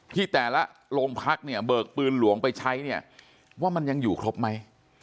ที่แต่ละโรงพักเนี่ยเบิกปืนหลวงไปใช้เนี่ยว่ามันยังอยู่ครบไหม